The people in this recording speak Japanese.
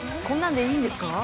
こんなんでいいんですか？